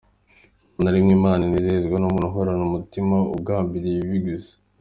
Nta na rimwe Imana inezezwa n’umuntu uhorana umutima ugambirira ibibi gusa.